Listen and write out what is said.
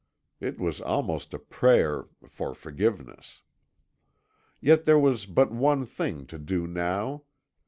It was almost a prayer for forgiveness. Yet there was but one thing to do now.